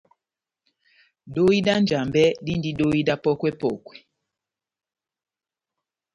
Dohi dá Njambɛ díndi dóhi dá pɔ́kwɛ-pɔkwɛ.